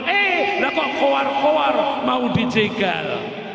eh lah kok kowar kowar mau dicegal